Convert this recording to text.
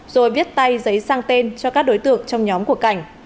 rồi viết tay giấy sang tên cho các đối tượng trong nhóm của cảnh